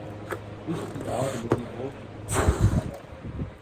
عشق کی آگ لگی ہو تو دھواں ہوتا ہے